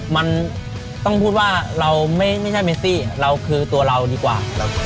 มันต้องพูดว่าเราไม่ใช่เมซี่เราคือตัวเราดีกว่า